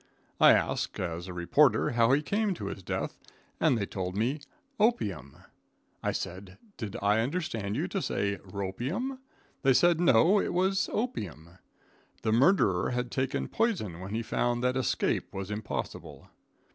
I asked, as a reporter, how he came to his death, and they told me opium! I said, did I understand you to say "ropium?" They said no, it was opium. The murderer had taken poison when he found that escape was impossible.